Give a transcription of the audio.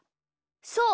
そう。